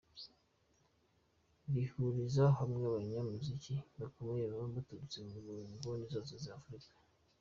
Rihuriza hamwe abanyamuziki bakomeye baba baturutse mu nguni zose za Afurika.